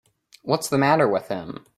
What's the matter with him.